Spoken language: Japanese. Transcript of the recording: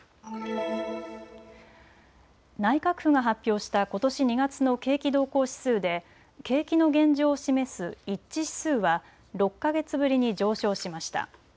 内閣府が発表したことし２月の景気動向指数で、景気の現状を示す一致指数は６か月ぶりに上昇しました。